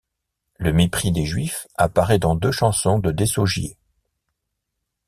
Le mépris des juifs apparaît dans deux chansons de Désaugiers.